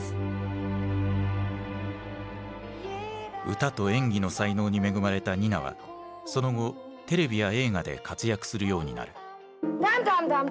歌と演技の才能に恵まれたニナはその後テレビや映画で活躍するようになる。